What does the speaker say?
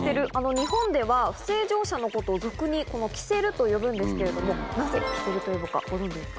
日本では不正乗車のことを、俗にキセルと呼ぶんですけれども、なぜキセルと呼ぶのか、ご存じですか？